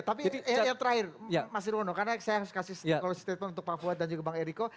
tapi yang terakhir mas nirwono karena saya harus kasih statement untuk pak fuad dan juga bang eriko